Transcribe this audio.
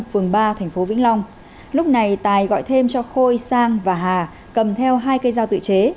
phường ba thành phố vĩnh long lúc này tài gọi thêm cho khôi sang và hà cầm theo hai cây dao tự chế